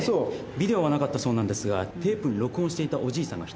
ビデオはなかったそうなんですがテープに録音していたお爺さんが一人だけいたんです。